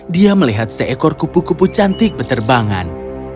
dia melihat seekor kupu kupu cantik berterbangan